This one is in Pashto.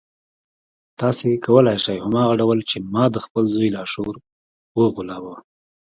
تاسې کولای شئ هماغه ډول چې ما د خپل زوی لاشعور وغولاوه.